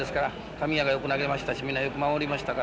神谷がよく投げましたしみんなよく守りましたから。